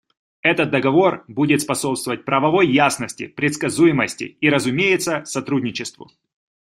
Этот Договор будет способствовать правовой ясности, предсказуемости и, разумеется, сотрудничеству.